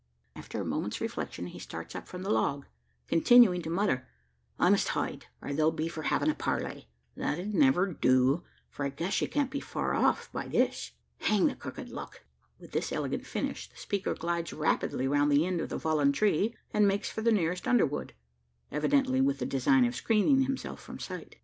After a moment's reflection, he starts up from the log, continuing to mutter: "I must hide, or they'll be for havin' a parley. That 'ud never do, for I guess she can't be far off by this. Hang the crooked luck!" With this elegant finish, the speaker glides rapidly round the end of the fallen tree, and makes for the nearest underwood evidently with the design of screening himself from sight.